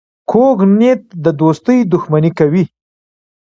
کوږ نیت د دوستۍ دښمني کوي